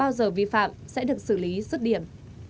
câu hỏi được đặt ra bao giờ vi phạm sẽ được xử lý xuất điểm